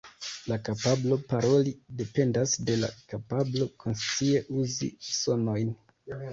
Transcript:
La kapablo paroli dependas de la kapablo konscie uzi sonojn.